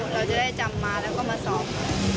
เราจะได้จำมาแล้วก็มาสอบ